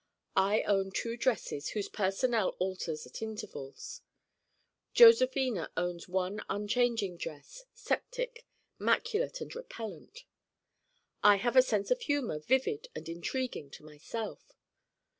I own two dresses whose personnel alters at intervals. Josephina owns one unchanging dress, septic, maculate and repellent. I have a sense of humor vivid and intriguing to myself.